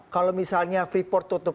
kalau misalnya freeport tutup